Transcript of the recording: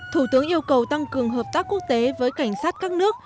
thủ tướng yêu cầu tăng cường hợp tác quốc tế với cảnh sát các nước